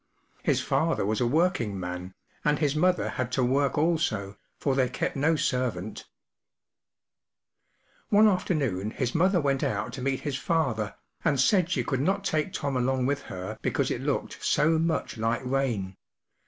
His father was a working man, and liis mother had to work also, for they kept no servant One afternoon his mother went out to meet his father, and said she could not take Tom along with her because it looked so much like rain.